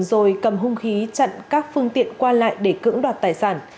rồi cầm hung khí chặn các phương tiện qua lại để cưỡng đoạt tài sản